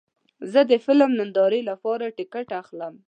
زه د فلم نندارې لپاره ټکټ اخلم.